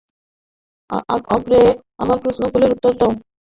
অগ্রে আমার প্রশ্নগুলির উত্তর দাও, পরে যত ইচ্ছা জল পান করিও।